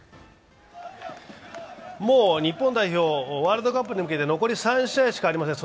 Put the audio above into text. もう日本代表、ワールドカップに向けて残り３試合しかありません。